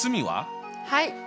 はい。